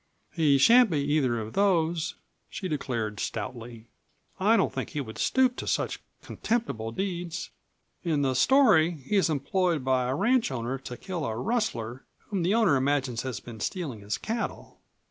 "He shan't be either of those," she declared stoutly. "I don't think he would stoop to such contemptible deeds. In the story he is employed by a ranch owner to kill a rustler whom the owner imagines has been stealing his cattle."